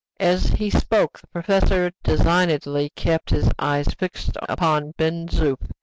As he spoke the professor designedly kept his eyes fixed upon Ben Zoof.